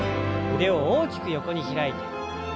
腕を大きく横に開いて。